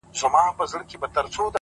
د شېخانو د ټگانو ـ د محل جنکۍ واوره ـ